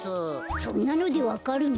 そんなのでわかるの？